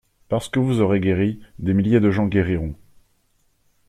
Parce que vous aurez guéri, des milliers de gens guériront.